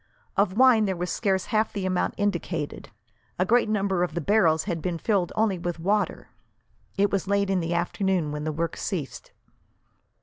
Of wine there was scarce half the amount indicated. A great number of the barrels had been filled only with water. It was late in the afternoon when the work ceased.